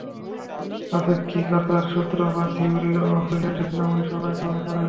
আপেক্ষিকতার সূত্র বা theory of relativity নামটিই সবাই গ্রহণ করেন।